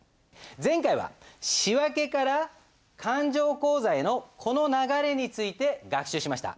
前回は仕訳から勘定口座へのこの流れについて学習しました。